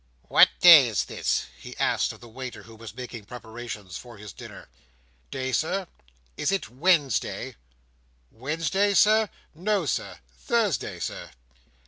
"What day is this?" he asked of the waiter, who was making preparations for his dinner. "Day, Sir?" "Is it Wednesday?" "Wednesday, Sir? No, Sir. Thursday, Sir."